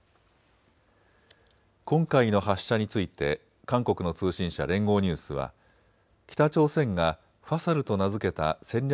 今回の発射について韓国の通信社、連合ニュースは北朝鮮がファサルと名付けた戦略